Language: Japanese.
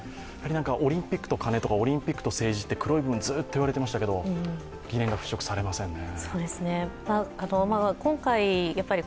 オリンピックとカネとかオリンピックと政治って黒い部分がずっと言われていましたけど、疑念が晴れませんね。